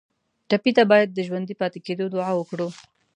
ټپي ته باید د ژوندي پاتې کېدو دعا وکړو.